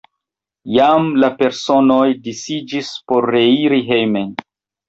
Jam la personoj disiĝis por reiri hejmen.